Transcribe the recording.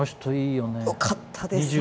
よかったです。